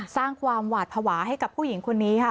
สร้างความหวาดภาวะให้กับผู้หญิงคนนี้ค่ะ